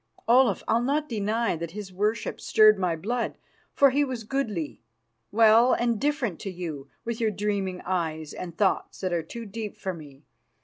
"Olaf, I'll not deny that his worship stirred my blood, for he was goodly well, and different to you, with your dreaming eyes and thoughts that are too deep for me.